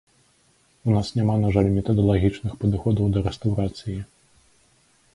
У нас няма, на жаль, метадалагічных падыходаў да рэстаўрацыі.